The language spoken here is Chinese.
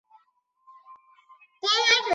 最佳观赏地点为城市阳台。